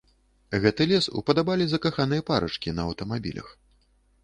Гэты лес упадабалі закаханыя парачкі на аўтамабілях.